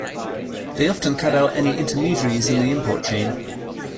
They often cut out any intermediaries in the import chain.